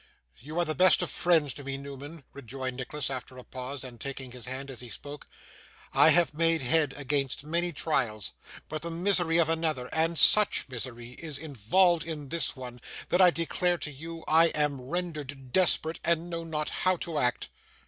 'You are the best of friends to me, Newman,' rejoined Nicholas after a pause, and taking his hand as he spoke. 'I have made head against many trials; but the misery of another, and such misery, is involved in this one, that I declare to you I am rendered desperate, and know not how to act.